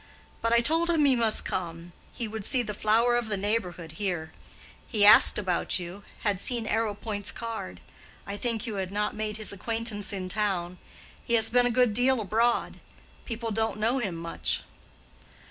But I told him he must come; he would see the flower of the neighborhood here. He asked about you—had seen Arrowpoint's card. I think you had not made his acquaintance in town. He has been a good deal abroad. People don't know him much."